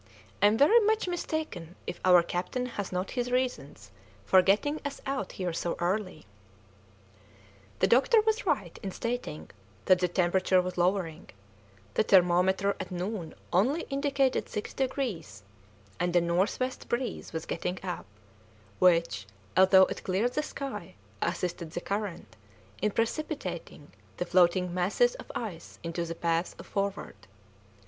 I am very much mistaken if our captain has not his reasons for getting us out here so early." The doctor was right in stating that the temperature was lowering; the thermometer at noon only indicated 6 degrees, and a north west breeze was getting up, which, although it cleared the sky, assisted the current in precipitating the floating masses of ice into the path of the Forward.